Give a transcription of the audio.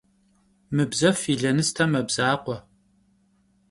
Mıbzef yi lenıste mebzakhue.